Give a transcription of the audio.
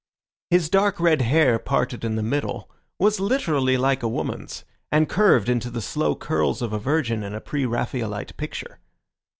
His dark red hair parted in the middle was literally like a woman's, and curved into the slow curls of a virgin in a pre Raphaelite picture.